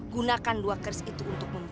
gunakan dua keris itu untuk memperbaiki